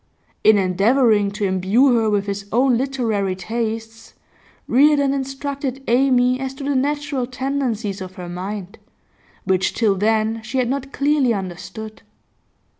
In endeavouring to imbue her with his own literary tastes, Reardon instructed Amy as to the natural tendencies of her mind, which till then she had not clearly understood.